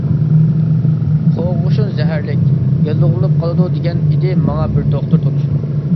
قوغۇشۇن زەھەرلىك ،ياللۇغلىنىپ قالىدۇ دېگەن ئىدى ماڭا بىر دوختۇر تونۇشۇم.